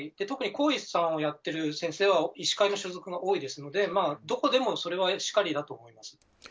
特に校医さんをやってる先生は医師会の所属が多いですのでどこでも、それはしかりだと思います。